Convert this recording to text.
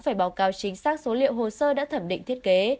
phải báo cáo chính xác số liệu hồ sơ đã thẩm định thiết kế